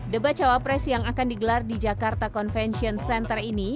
debat cawapres yang akan digelar di jakarta convention center ini